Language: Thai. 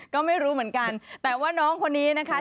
ก็ไม่รู้เหมือนกันแต่ว่าน้องคนนี้นะคะ